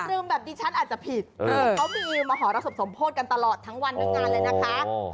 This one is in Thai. กันตึมแบบดิฉันอาจจะผิดเค้ามีมหรสมโพธิกันตลอดทั้งวันด้วยกันเลยนะคะ